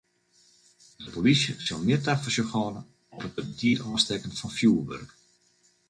De polysje sil mear tafersjoch hâlde op it te betiid ôfstekken fan fjoerwurk.